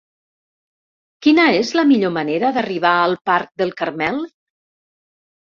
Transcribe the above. Quina és la millor manera d'arribar al parc del Carmel?